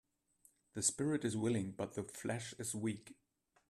The spirit is willing but the flesh is weak.